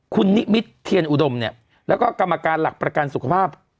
คุณนิมิตรเทียนอุดมเนี่ยแล้วก็กรรมการหลักประกันสุขภาพ